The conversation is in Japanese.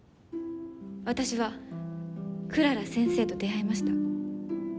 私はクララ先生と出会いました。